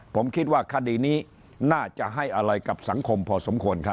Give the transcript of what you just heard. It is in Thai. ผมคิดว่าคดีนี้น่าจะให้อะไรกับสังคมพอสมควรครับ